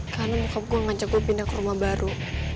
karena bokap gue ngajak gue pindah ke rumah baru